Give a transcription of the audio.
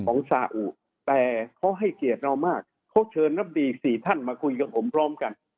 สาอุแต่เขาให้เกียรติเรามากเขาเชิญรับดี๔ท่านมาคุยกับผมพร้อมกัน